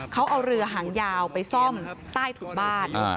เขาเอาเรือหางยาวไปซ่อมใต้ถุนบ้าน